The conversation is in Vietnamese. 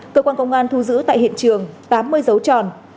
cơ quan công an thu giữ tại hiện trường tám mươi dấu tròn